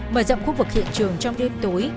mở rộng khu vực hiện trường trong đêm tối